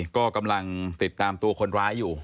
ก็กำลังติดตามตัวคนร้ายอยู่